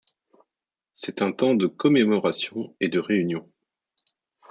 C’est un temps de commémoration et de réunion.